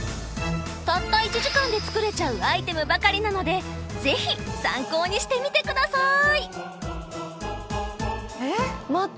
たった１時間で作れちゃうアイテムばかりなのでぜひ参考にしてみて下さい！